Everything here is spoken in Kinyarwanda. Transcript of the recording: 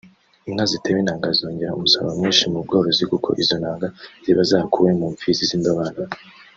Inka zitewe intanga zongera umusaruro mwinshi mu bworozi kuko izo ntanga ziba zakuwe mu mfizi z’indobanure